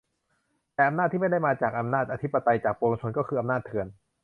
แต่อำนาจที่ไม่ได้มาจากอำนาจอธิปไตย-จากปวงชน ก็คืออำนาจเถื่อน